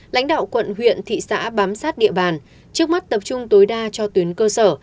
lãnh đạo quận huyện thị xã bám sát địa bàn trước mắt tập trung tối đa cho tuyến cơ sở